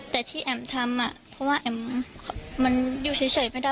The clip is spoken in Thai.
แต่ที่แอ๋มทำเพราะว่าแอ๋มมันอยู่เฉยไม่ได้